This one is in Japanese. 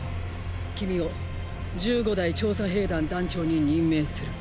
君を１５代調査兵団団長に任命する。